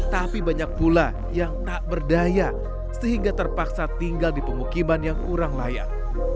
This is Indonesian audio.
tapi banyak pula yang tak berdaya sehingga terpaksa tinggal di pemukiman yang kurang layak